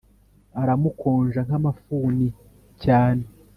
aramukonja nka mafuni cyane